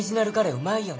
うまいよね？